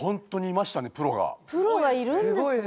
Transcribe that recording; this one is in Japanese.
プロがいるんですね。